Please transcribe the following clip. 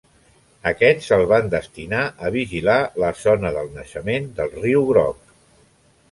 Aquests els van destinar a vigilar la zona del naixement del riu Groc.